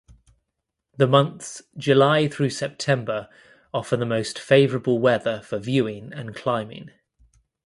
The months July through September offer the most favorable weather for viewing and climbing.